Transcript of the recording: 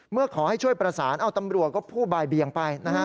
เมื่อขอให้ช่วยประสานตำรวจก็พูดบ่ายเบียงไป